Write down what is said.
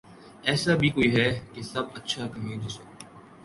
ایسا بھی کوئی ھے کہ سب اچھا کہیں جسے